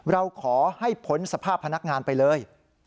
เราขอให้พ้นสภาพพนักงานไปเลย